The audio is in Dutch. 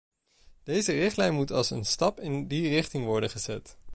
Deze richtlijn moet als een stap in die richting worden gezien.